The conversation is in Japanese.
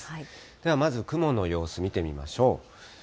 ではまず雲の様子見てみましょう。